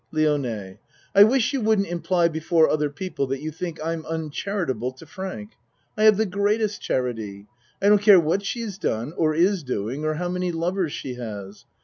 LIONE I wish you wouldn't imply before other people that you think I'm uncharitable to Frank. I have the greatest charity. I don't care what she has done, or is doing, or how many lovers she has.